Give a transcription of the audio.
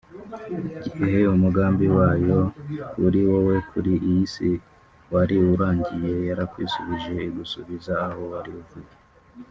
Igihe umugambi wayo kuri wowe kuri iyi isi wari urangiye yarakwishubije igusubiza aho wari uvuye